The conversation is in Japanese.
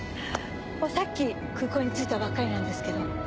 さっき空港に着いたばっかりなんですけど。